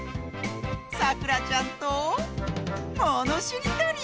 さくらちゃんとものしりとり！